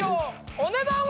お値段は！？